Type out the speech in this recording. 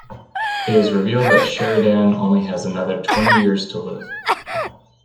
It is revealed that Sheridan only has another twenty years to live.